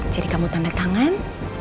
jadi kamu tanda tangan